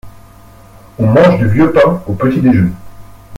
On mangue du vieux pain au petit-déjeuner.